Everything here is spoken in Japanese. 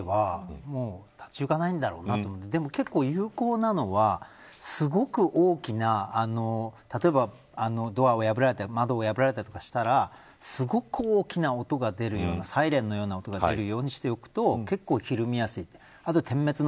だから今までの防犯とかだけでは立ちゆかないんだろうなと思ってでも結構、有効なのはすごく大きな例えばドアを破られたり窓を破られたりとかしたらすごく大きな音が出るようなサイレンのような音が出るようなことにしておくと結構、ひるみやすい。